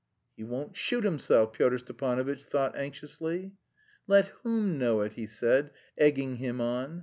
"He won't shoot himself," Pyotr Stepanovitch thought anxiously. "Let whom know it?" he said, egging him on.